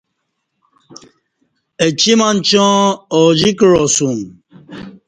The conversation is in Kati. اچی منچاں آجی کعاسوم۔